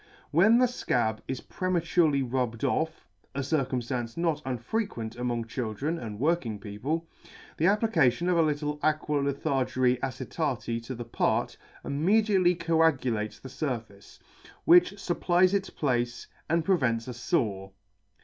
When the fcab is prematurely rubbed off, (a circumftance not unfrequent among children and working people,) the applica tion of a little Aqua Lythargyri Acet. to the part, immediately coagulates the furface, which fupplies its place, and prevents a fore.